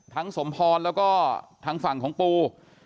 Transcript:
ทั้งสมพรแล้วก็ทั้งฝั่งของปู